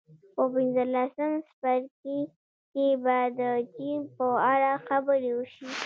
په پنځلسم څپرکي کې به د چین په اړه خبرې وشي